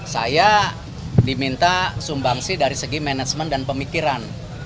saya diminta sumbangsi dari segi manajemen dan pemikiran